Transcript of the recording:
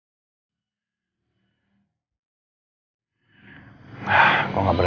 jangan sampai ketiga kali